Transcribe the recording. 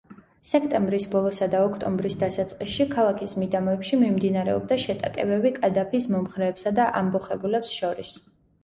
სექტემბრის ბოლოსა და ოქტომბრის დასაწყისში, ქალაქის მიდამოებში მიმდინარეობდა შეტაკებები კადაფის მომხრეებსა და ამბოხებულებს შორის.